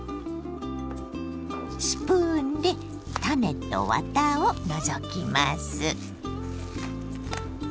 スプーンで種とワタを除きます。